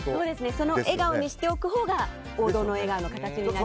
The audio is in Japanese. その笑顔にしておくほうが王道の笑顔の形になりますね。